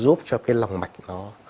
giúp cho cái lòng mạch nó